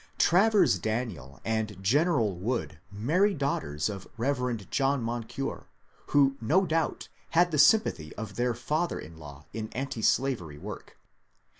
Travers Daniel and General Wood married daughters of Rev. John Moncure, and no doubt had the sympathy of their father in law in antislavery work.